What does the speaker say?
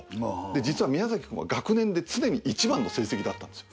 実は宮崎くんは学年で常に１番の成績だったんですよ。